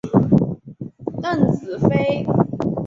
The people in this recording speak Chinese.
邓紫飞。